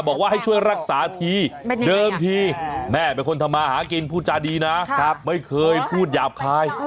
บอกว่าให้ช่วยรักษาทีเดิมทีแม่เป็นคนทำมาหากินพูดจาดีนะไม่เคยพูดหยาบคาย